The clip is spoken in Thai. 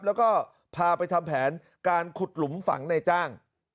แล้วก็พาไปทำแผนการขุดหลุมฝังในจ้าง